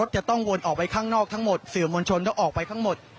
จะต้องวนออกไปข้างนอกทั้งหมดสื่อมวลชนต้องออกไปทั้งหมด